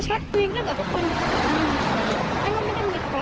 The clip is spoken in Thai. นี่ก็ไม่รู้เหมือนกันแต่รู้มาเว่มาลช็อต